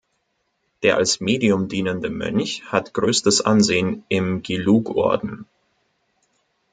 Der als Medium dienende Mönch hat größtes Ansehen im Gelug-Orden.